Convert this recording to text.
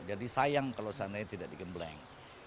jadi sayang kalau seandainya tidak digembleng